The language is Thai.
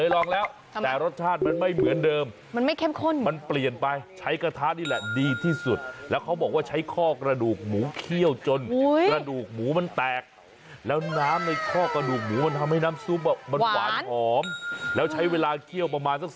ลองใช้หม้อมันไหมเล่าเฮียบอกเธอลองแล้ว